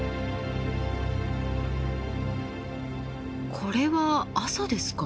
これは朝ですか？